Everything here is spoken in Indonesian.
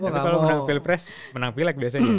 tapi kalau menang pilpres menang pilek biasanya